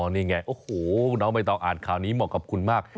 นี่ไงโอ้โหน้องใบตองอ่านข่าวนี้เหมาะกับคุณมาก